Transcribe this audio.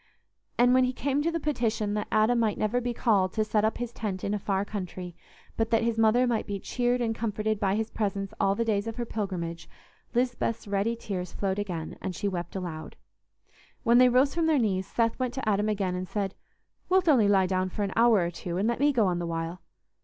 And when he came to the petition that Adam might never be called to set up his tent in a far country, but that his mother might be cheered and comforted by his presence all the days of her pilgrimage, Lisbeth's ready tears flowed again, and she wept aloud. When they rose from their knees, Seth went to Adam again and said, "Wilt only lie down for an hour or two, and let me go on the while?"